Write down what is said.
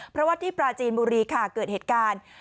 เพราะว่าที่ปราจีนบุรีค่ะเกิดเหตุการณ์